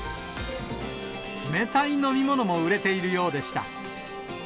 冷たい飲み物も売れているようでした。